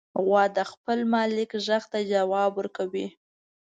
غوا د خپل مالک غږ ته ځواب ورکوي.